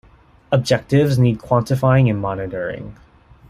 Objectives need quantifying and monitoring.